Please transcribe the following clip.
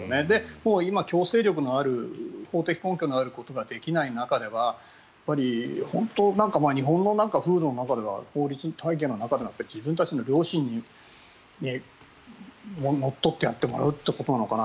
もう今は強制力のある法的根拠のあることができない中ではやっぱり日本の法律体系の中では自分たちの良心にのっとってやってもらうってことなのかな。